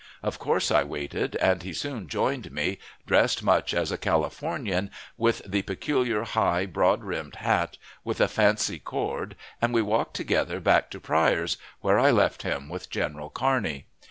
Of course I waited, and he soon joined me, dressed much as a Californian, with the peculiar high, broad brimmed hat, with a fancy cord, and we walked together back to Pryor's, where I left him with General Kearney.